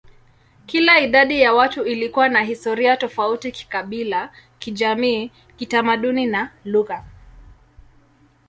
Kila idadi ya watu ilikuwa na historia tofauti kikabila, kijamii, kitamaduni, na lugha.